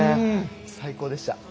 最高でした。